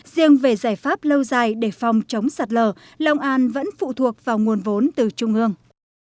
riêng về giải pháp lâu dài để phòng chống sạt lở lòng an vẫn phụ thuộc vào nguồn vốn từ trung ương